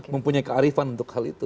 mempunyai kearifan untuk hal itu